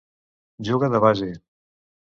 Juga de base.